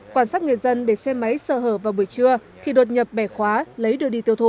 quan sát người dân để xe máy sơ hở vào buổi trưa thì đột nhập bẻ khóa lấy đưa đi tiêu thụ